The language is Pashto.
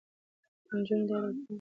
که نجونې ډاډه وي نو ویره به نه وي.